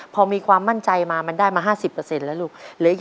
พอมีความมั่นใจมามันได้มา๕๐แล้วลูก